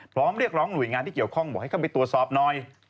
เรียกร้องหน่วยงานที่เกี่ยวข้องบอกให้เข้าไปตรวจสอบหน่อย